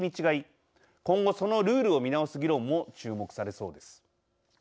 今後そのルールを見直す議論も注目されそうです。